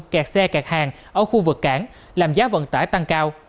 kẹt xe cạt hàng ở khu vực cảng làm giá vận tải tăng cao